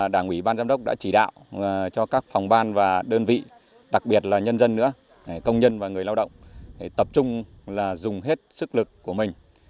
đảng ủy ban giám đốc đã chỉ đạo cho các phòng ban và đơn vị đặc biệt là nhân dân nữa công nhân và người lao động tập trung là dùng hết sức lực của mình